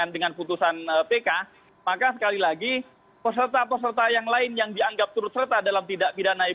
dengan putusan pk maka sekali lagi peserta peserta yang lain yang dianggap turut serta dalam tindak pidana itu